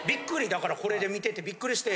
だからこれで見ててびっくりして。